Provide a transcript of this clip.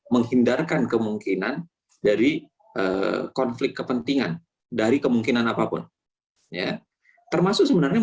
menghindarkan kemungkinan dari konflik kepentingan dari kemungkinan apapun ya termasuk sebenarnya